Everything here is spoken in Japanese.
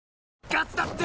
ガスだって！